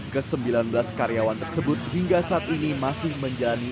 ke sembilan belas karyawan tersebut hingga saat ini masih menjalani